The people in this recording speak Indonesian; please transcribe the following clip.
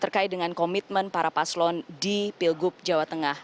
terkait dengan komitmen para paslon di pilgub jawa tengah